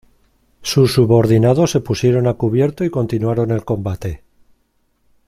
Sus subordinados se pusieron a cubierto y continuaron el combate.